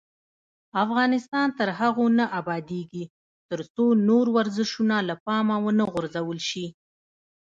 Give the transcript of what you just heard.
افغانستان تر هغو نه ابادیږي، ترڅو نور ورزشونه له پامه ونه غورځول شي.